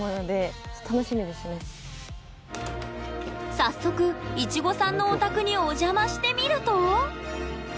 早速いちごさんのお宅にお邪魔してみると？